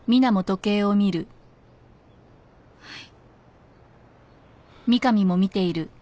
はい。